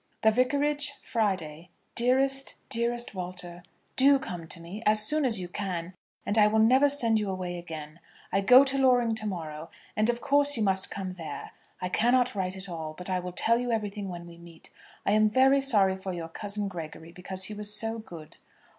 The Vicarage, Friday. DEAREST, DEAREST WALTER, Do come to me, as soon as you can, and I will never send you away again. I go to Loring to morrow, and, of course, you must come there. I cannot write it all; but I will tell you everything when we meet. I am very sorry for your cousin Gregory, because he was so good.